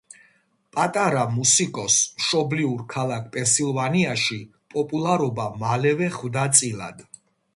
პატარა მუსიკოსს მშობლიურ ქალაქ პენსილვანიაში პოპულარობა მალევე ხვდა წილად.